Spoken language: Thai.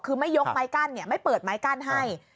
คือไม่ยกไม้กั้นไม่เปิดไม้กั้นให้